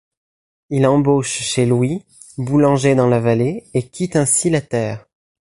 Il embauche chez Louis, boulanger dans la vallée et quitte ainsi la terre.